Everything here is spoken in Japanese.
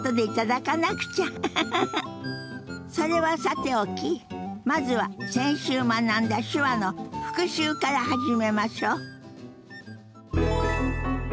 それはさておきまずは先週学んだ手話の復習から始めましょ。